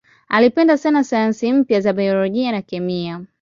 Alipenda sana sayansi mpya za biolojia na kemia.